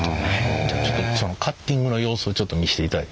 じゃあちょっとそのカッティングの様子をちょっと見せていただいて？